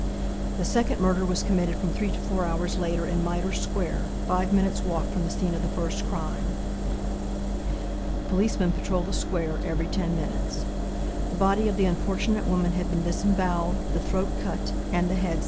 The second murder was committed from three to four hours later, in Mitre square, five minutes' walk from the scene of the first crime. Policemen patrol the square every 10 minutes. The body of the unfortunate woman had been disembowled, the throat cut, and the (head?)